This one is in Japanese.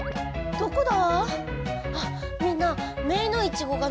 どこだ？